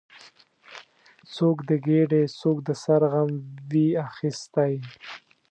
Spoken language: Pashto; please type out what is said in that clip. څوک د ګیډې، څوک د سر غم وي اخیستی